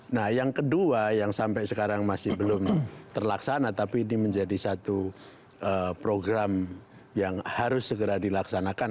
nah yang kedua yang sampai sekarang masih belum terlaksana tapi ini menjadi satu program yang harus segera dilaksanakan